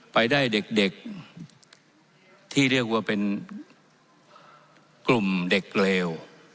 ไปได้เด็กที่เรียกว่าเป็นกลุ่มเด็กเลว